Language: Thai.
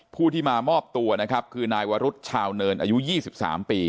ผู้ที่มามอบตัวนะครับคือนายวรุษชาวเนินอายุ๒๓ปี